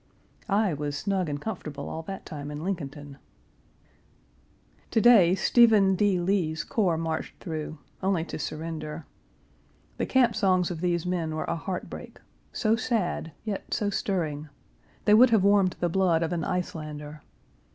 I was snug and comfortable all that time in Lincolnton. ........................................ To day Stephen D. Lee's corps marched through only to surrender. The camp songs of these men were a heartbreak; so sad, yet so stirring. They would have warmed the blood of an Icelander.